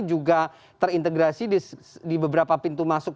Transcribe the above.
juga terintegrasi di beberapa pintu masuk